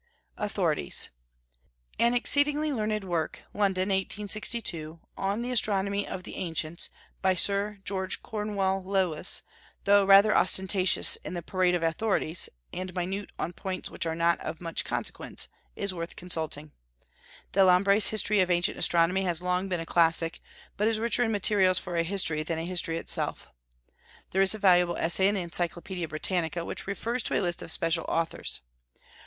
AUTHORITIES. An exceedingly learned work (London, 1862) on the Astronomy of the Ancients, by Sir George Cornewall Lewis, though rather ostentatious in the parade of authorities, and minute on points which are not of much consequence, is worth consulting. Delambre's History of Ancient Astronomy has long been a classic, but is richer in materials for a history than a history itself. There is a valuable essay in the Encyclopaedia Britannica, which refers to a list of special authors.